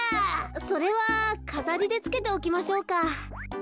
それはかざりでつけておきましょうか。